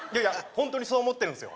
ホントにそう思ってるんですよ